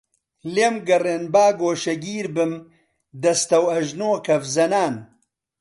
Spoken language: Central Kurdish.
لێم گەڕێن با گۆشەگیر بم دەستەوئەژنۆ کەفزەنان